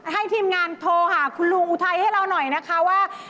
ทีมงานโทรหาคุณลุงอุทัยให้เราหน่อยนะคะว่า